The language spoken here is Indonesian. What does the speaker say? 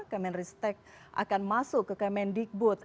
kementeristek akan masuk ke kementikbut